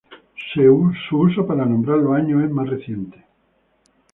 Su uso para nombrar los años es más reciente.